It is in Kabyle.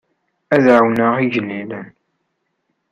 Ad ɛawneɣ igellilen.